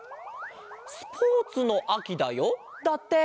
「スポーツのあきだよ」だって。